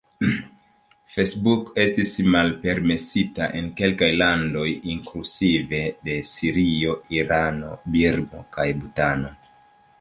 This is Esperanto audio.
Facebook estis malpermesita en kelkaj landoj, inkluzive de Sirio, Irano, Birmo kaj Butano.